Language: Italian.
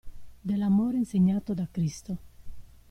Dell'amore insegnato da Cristo.